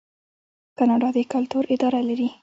کاناډا د کلتور اداره لري.